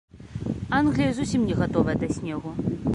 Англія зусім не гатовая да снегу.